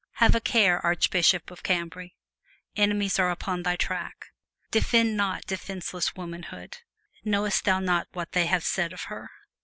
Have a care, Archbishop of Cambrai! Enemies are upon thy track. Defend not defenseless womanhood: knowest thou not what they have said of her?